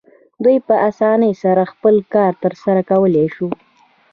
دوی په اسانۍ سره خپل کار ترسره کولی شو.